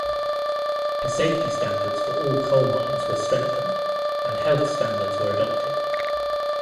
The safety standards for all coal mines were strengthened, and health standards were adopted.